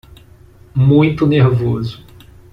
Muito nervoso